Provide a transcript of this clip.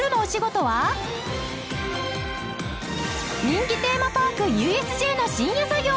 人気テーマパーク ＵＳＪ の深夜作業！